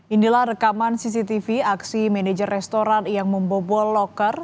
inilah rekaman cctv aksi manajer restoran yang membobol loker